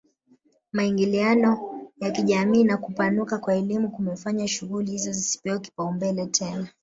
Maingiliano ya kijamii na kupanuka kwa elimu kumefanya shughuli hizo zisipewe kipaumbele tena